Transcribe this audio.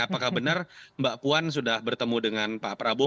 apakah benar mbak puan sudah bertemu dengan pak prabowo